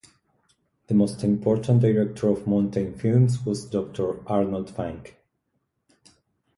The most important director of mountain films was Doctor Arnold Fanck.